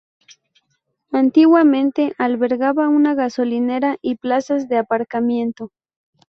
Antiguamente albergaba una gasolinera y plazas de aparcamiento.